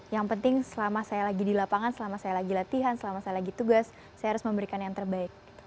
yang penting selama saya lagi di lapangan selama saya lagi latihan selama saya lagi tugas saya harus memberikan yang terbaik